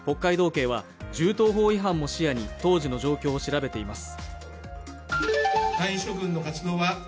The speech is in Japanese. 警は銃刀法違反も視野に当時の状況を調べています。